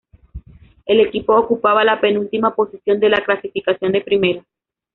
El equipo ocupaba la penúltima posición de la clasificación de Primera.